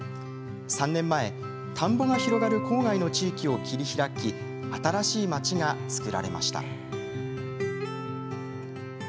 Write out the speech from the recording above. ３年前、田んぼが広がる郊外の地域を切り開き新しい町が作られました。